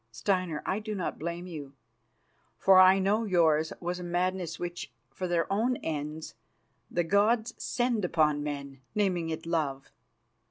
Steinar, I do not blame you, for I know yours was a madness which, for their own ends, the gods send upon men, naming it love.